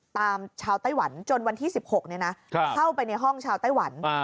ตามชาวไต้หวันจนวันที่สิบหกเนี่ยนะครับเข้าไปในห้องชาวไต้หวัน